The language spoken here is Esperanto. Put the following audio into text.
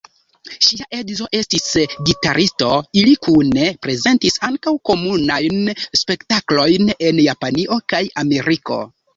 Ŝia edzo estis gitaristo, ili kune prezentis ankaŭ komunajn spektaklojn en Japanio kaj Ameriko.